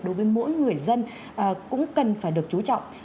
đối với mỗi người dân cũng cần phải được chú trọng